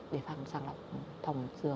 để sàng lập thòng dừa